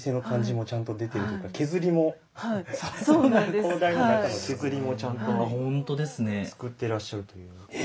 高台の中の削りもちゃんと作ってらっしゃるというので。